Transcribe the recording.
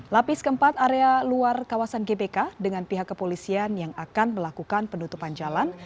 lapis keempat area luar kawasan gbk dengan pihak kepolisian yang akan melakukan penutupan jalan